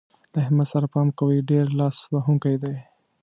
له احمد سره پام کوئ؛ ډېر لاس وهونکی دی.